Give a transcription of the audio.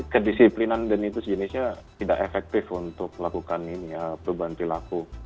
kedisiplinan dan itu sejenisnya tidak efektif untuk melakukan ini ya perubahan perilaku